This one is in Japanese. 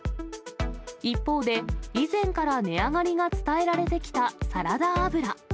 一方で、以前から値上がりが伝えられてきたサラダ油。